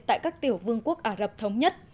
tại các tiểu vương quốc ả rập thống nhất